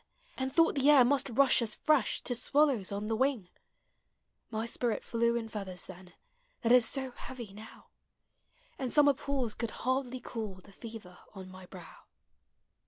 And thought the air must rush as fresh To swallows on the wing; Mv spirit dew in feathers then. That is so heavy now, And summer pools could hardly cool The fever on my brow